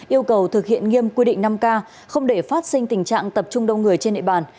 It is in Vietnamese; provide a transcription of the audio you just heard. yêu cầu thực hiện nghiêm quy định năm k không để phát sinh tình trạng tập trung đông người trên địa bàn